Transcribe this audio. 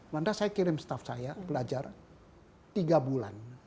saya mengirim staf saya belajar tiga bulan